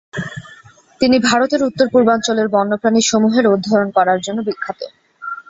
তিনি ভারতের উত্তর পূর্বাঞ্চলের বন্যপ্রাণী সমূহের অধ্যয়ন করার জন্য বিখ্যাত।